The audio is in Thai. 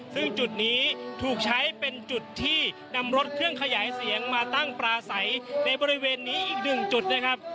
ซึ่งจุดนี้ถูกใช้เป็นจุดที่นำรถเครื่องขยายเสียงมาตั้งปลาใสในบริเวณนี้อีกหนึ่งจุดนะครับ